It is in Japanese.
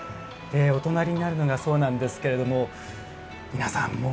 お隣にあるのがそうなんですけれども皆さん